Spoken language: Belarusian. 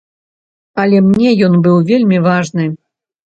Але мне ён быў вельмі важны.